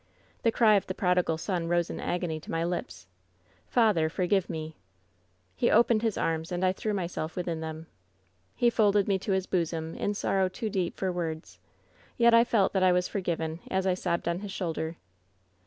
"The cry of the prodigal son rose in agony to my lips: " Tather ! forgive me !^ "He opened his arms, and I threw myself within them. "He folded me to his bosom in sorrow too deep for words, yet I felt that I was forgiven as I sobbed on his shoulder.